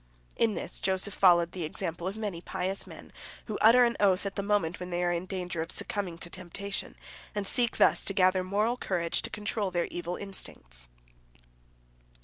In this Joseph followed the example of many pious men, who utter an oath at the moment when they are in danger of succumbing to temptation, and seek thus to gather moral courage to control their evil instincts."